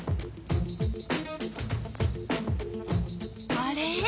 あれ？